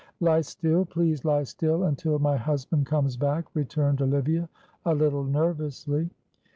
"Lie still please lie still until my husband comes back," returned Olivia, a little nervously.